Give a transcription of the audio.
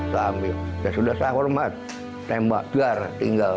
saya ambil ya sudah saya hormat tembak biar tinggal